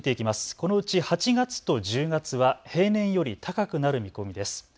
このうち８月と１０月は平年より高くなる見込みです。